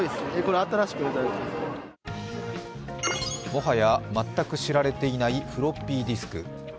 もはや、全く知られていないフロッピーディスク。